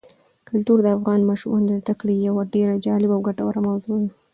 کلتور د افغان ماشومانو د زده کړې یوه ډېره جالبه او ګټوره موضوع ده.